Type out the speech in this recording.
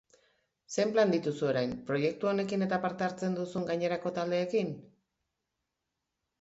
Zer plan dituzu orain, proiektu honekin eta parte hartzen duzun gainerako taldeekin?